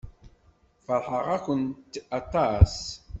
Feṛḥeɣ-akent aṭas.